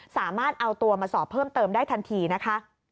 สามารถเอาตัวมาสอบเพิ่มเติมได้ทันทีนะคะ